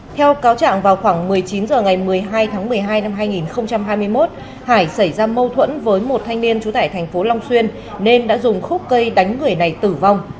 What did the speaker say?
theo cáo trạng vào khoảng một mươi chín h ngày một mươi hai tháng một mươi hai năm hai nghìn hai mươi một hải xảy ra mâu thuẫn với một thanh niên trú tại thành phố long xuyên nên đã dùng khúc cây đánh người này tử vong